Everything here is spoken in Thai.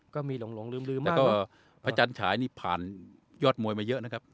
ก็มีหลงลืมแล้วก็พระจันฉายนี่ผ่านยอดมวยมาเยอะนะครับ